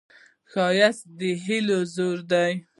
ښایست د هیلو زور دی